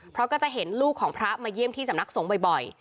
เพราะก็จะเห็นลูกของพระมาเยี่ยมที่สำนักสงฆ์บ่อย